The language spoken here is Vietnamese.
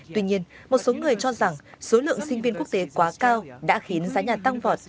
tuy nhiên một số người cho rằng số lượng sinh viên quốc tế quá cao đã khiến giá nhà tăng vọt